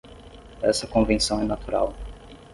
Essa convenção é natural.